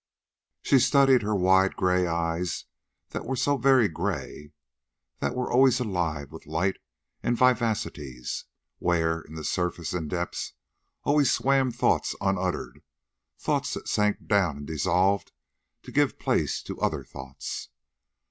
She studied her wide gray eyes that were so very gray, that were always alive with light and vivacities, where, in the surface and depths, always swam thoughts unuttered, thoughts that sank down and dissolved to give place to other thoughts.